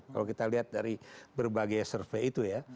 kalau kita lihat dari berbagai survei itu ya